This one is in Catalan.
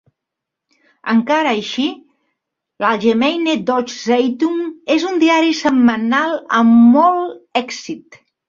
Encara així, l'"Allgemeine Deutsche Zeitung" és un diari setmanal amb molt èxit.